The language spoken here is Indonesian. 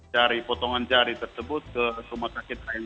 dari potongan jari tersebut ke rumah sakit lain